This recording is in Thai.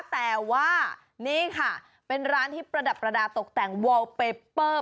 แต่ว่านี่ค่ะเป็นร้านที่ประดับประดาษตกแต่งวอลเปเปอร์